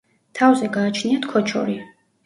თავზე გააჩნიათ ქოჩორი.